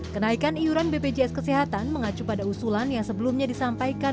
kenaikan iuran bpjs kesehatan mengacu pada usulan yang sebelumnya disampaikan